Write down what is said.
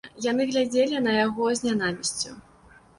Яны глядзелі на яго з нянавісцю.